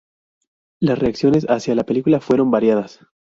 Las reacciones hacia la película fueron variadas.